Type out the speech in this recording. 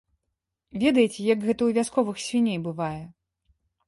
Ведаеце, як гэта ў вясковых свіней бывае.